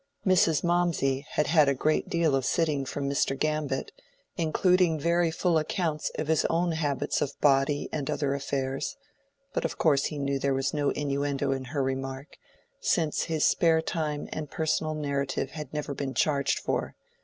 Mrs. Mawmsey had had a great deal of sitting from Mr. Gambit, including very full accounts of his own habits of body and other affairs; but of course he knew there was no innuendo in her remark, since his spare time and personal narrative had never been charged for.